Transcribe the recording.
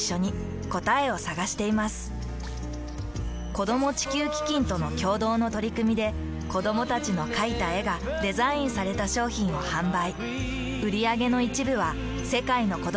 子供地球基金との共同の取り組みで子どもたちの描いた絵がデザインされた商品を販売。